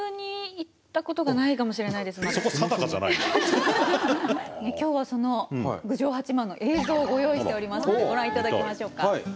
もしかしたら今日はその郡上八幡の映像をご用意しておりますのでご覧いただきましょうか。